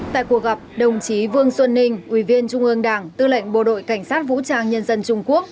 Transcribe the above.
tại cuộc gặp đồng chí vương xuân ninh ủy viên trung ương đảng tư lệnh bộ đội cảnh sát vũ trang nhân dân trung quốc